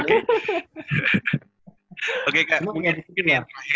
siapa tahu siapa tahu